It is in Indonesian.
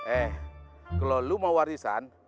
eh kalau lo mau warisan